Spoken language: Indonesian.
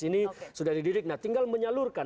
nah tinggal menyalurkan